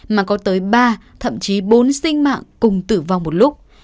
mà có tới ba thậm chí bốn sinh mạng cùng tử vong một lúc